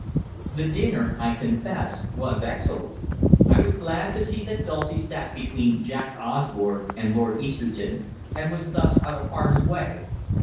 The dinner, I confess, was excellent. I was glad to see that Dulcie sat between Jack Osborne and Lord Easterton, and was thus out of harm's way.